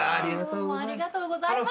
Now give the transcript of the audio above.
ありがとうございます。